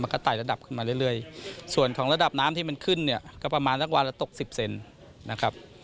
ก็ไต่ระดับขึ้นมาเรื่อยส่วนของระดับน้ำที่มันขึ้นเนี่ยก็ประมาณสักวันละตกสิบเซนนะครับ